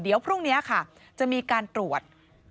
เดี๋ยวพรุ่งนี้ค่ะจะมีการตรวจ